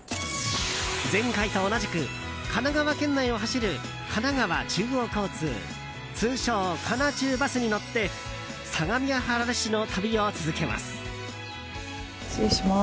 前回と同じく神奈川県内を走る神奈川中央交通通称、神奈中バスに乗って相模原市の旅を続けます。